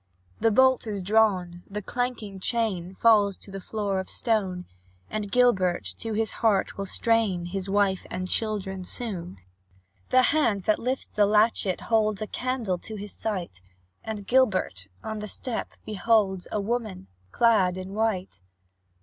The bolt is drawn, the clanking chain Falls to the floor of stone; And Gilbert to his heart will strain His wife and children soon. The hand that lifts the latchet, holds A candle to his sight, And Gilbert, on the step, beholds A woman, clad in white.